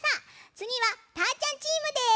つぎはたーちゃんチームです。